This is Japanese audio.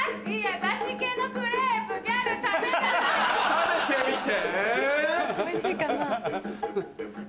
食べてみて。